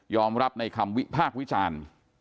ยอมรับในคำภาควิจารณ์